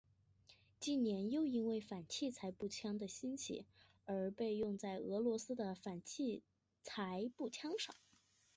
近年又因为反器材步枪的兴起而被用在俄罗斯的反器材步枪上。